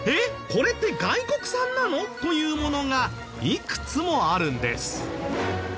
これって外国産なの！？というものがいくつもあるんです。